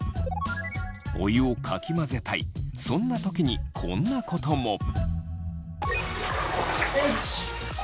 お湯をかき混ぜたいそんな時にこんなことも。